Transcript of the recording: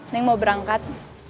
neng mau berangkat